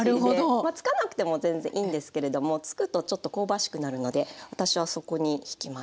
まあつかなくても全然いいんですけれどもつくとちょっと香ばしくなるので私は底にしきます。